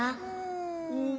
うん。